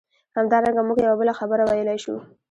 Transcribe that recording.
همدارنګه موږ یوه بله خبره ویلای شو.